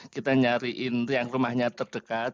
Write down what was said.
kita nyariin yang rumahnya terdekat